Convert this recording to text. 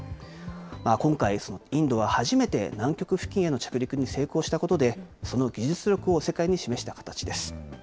今回、インドは初めて南極付近への着陸に成功したことで、その技術力を世界に示した形です。